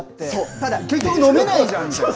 ただ結局、飲めないじゃんみたいな。